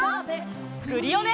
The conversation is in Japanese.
クリオネ！